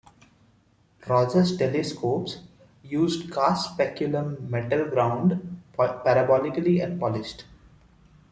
Rosse's telescopes used cast speculum metal ground parabolically and polished.